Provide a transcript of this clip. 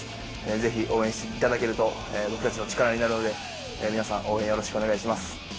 ぜひ応援していただけると、僕たちの力になるので、皆さん、応援よろしくお願いします。